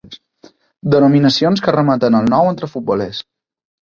Denominacions que remeten al nou entre futbolers.